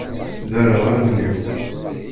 Derreɛ allen-ik.